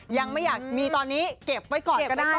ยังไม่อยากมีตอนนี้เก็บไว้ก่อนก็ได้